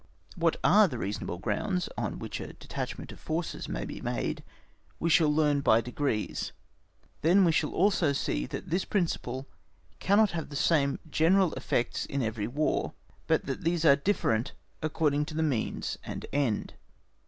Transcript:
What are the reasonable grounds on which a detachment of forces may be made we shall learn by degrees. Then we shall also see that this principle cannot have the same general effects in every War, but that these are different according to the means and end.